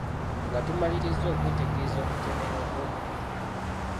Nga tumalirizza okwetegereza omutendera ogw'okubiri.